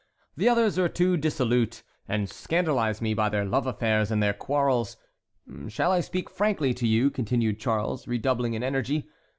The others are too dissolute, and scandalize me by their love affairs and their quarrels. Shall I speak frankly to you?" continued Charles, redoubling in energy.